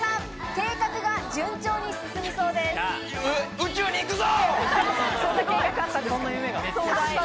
宇宙に行くぞ！